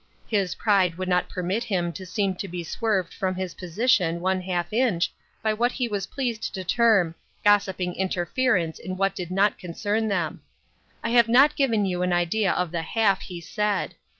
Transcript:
His pride would not permit him to seem to be swerved from his position one half inch by what he was pleased to term " gossiping interference in what did not concern them." I have not given you an idea of the half he said.